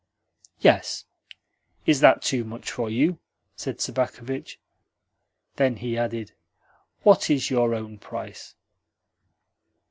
"Yes. Is that too much for you?" said Sobakevitch. Then he added: "What is your own price?"